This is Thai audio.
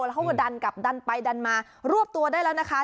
แล้วเขาก็ดันกลับดันไปดันมารวบตัวได้แล้วนะคะ